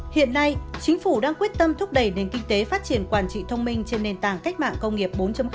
hiện nay chính phủ đang quyết tâm thúc đẩy nền kinh tế phát triển quản trị thông minh trên nền tảng cách mạng công nghiệp bốn